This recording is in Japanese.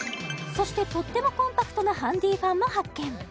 そしてとってもコンパクトなハンディファンも発見